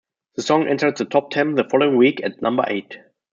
The song entered the top ten the following week at number eight.